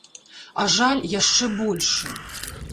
А жаль яшчэ большы.